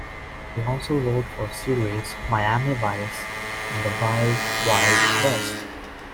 He also wrote for series "Miami Vice" and "The Wild Wild West".